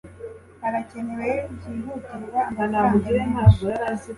harakenewe byihutirwa amafaranga menshi